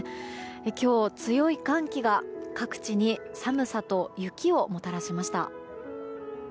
今日、強い寒気が各地に寒さと雪をもたらしました。